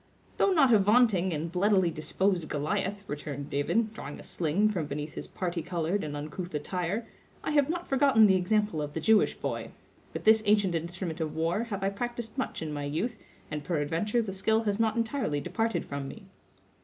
"Though not a vaunting and bloodily disposed Goliath," returned David, drawing a sling from beneath his parti colored and uncouth attire, "I have not forgotten the example of the Jewish boy. With this ancient instrument of war have I practised much in my youth, and peradventure the skill has not entirely departed from me."